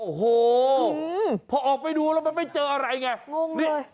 โอ้โหพอออกไปดูแล้วมันไม่เจออะไรไงงงเนี่ย